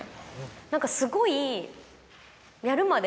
何かすごい。